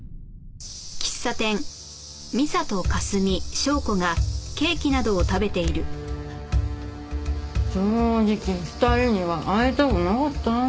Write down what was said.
正直２人には会いたくなかった。